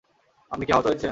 আপনি কি আহত হয়েছেন?